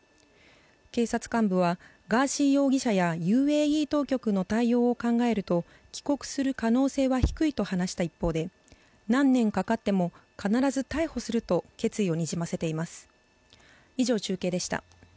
警察幹部はガーシー容疑者やＵＡＥ当局の対応を考えると帰国する可能性は低いと話した一方で何年かかっても必ず逮捕すると決意をにじませています。